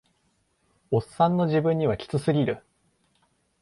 オッサンの自分にはキツすぎる